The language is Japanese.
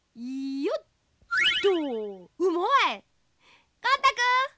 よっと。